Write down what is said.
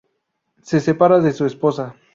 Se separa de su esposa.